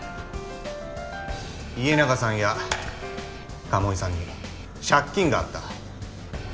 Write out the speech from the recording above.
家長さんや鴨居さんに借金があった。